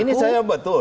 ini saya betul